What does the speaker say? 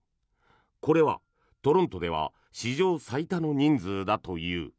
これはトロントでは史上最多の人数だという。